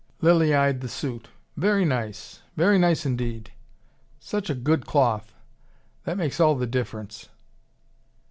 Lilly eyed the suit. "Very nice. Very nice indeed. Such a good cloth! That makes all the difference."